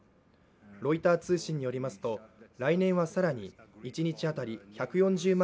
ロイター通信によりますと、来年は更に一日当たり１４０万